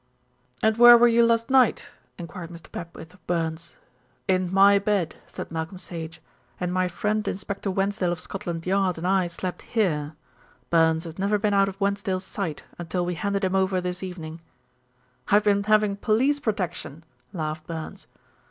"And where were you last night?" enquired Mr. Papwith of Burns. "In my bed," said Malcolm Sage, "and my friend Inspector Wensdale of Scotland Yard and I slept here. Burns has never been out of Wensdale's sight until we handed him over this evening." "I've been having police protection," laughed Burns.